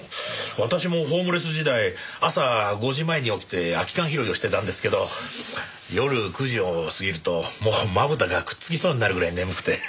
私もホームレス時代朝５時前に起きて空き缶拾いをしてたんですけど夜９時を過ぎるともうまぶたがくっつきそうになるぐらい眠くて。